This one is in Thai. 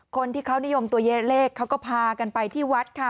คนที่เขานิยมตัวเยอะเลขเขาก็พากันไปที่วัดค่ะ